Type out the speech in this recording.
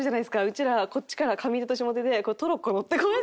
うちらこっちから上手と下手でトロッコ乗ってこうやって。